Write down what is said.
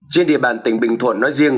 trên địa bàn tỉnh bình thuận nói riêng